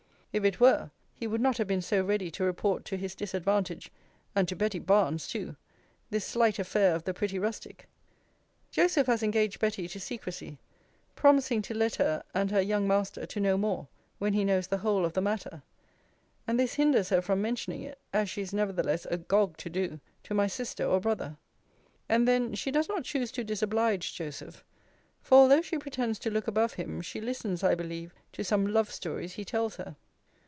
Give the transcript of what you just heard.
If it were, he would not have been so ready to report to his disadvantage (and to Betty Barnes too) this slight affair of the pretty rustic. Joseph has engaged Betty to secrecy; promising to let her, and her young master, to know more, when he knows the whole of the matter: and this hinders her from mentioning it, as she is nevertheless agog to do, to my sister or brother. And then she does not choose to disoblige Joseph; for although she pretends to look above him, she listens, I believe, to some love stories he tells her.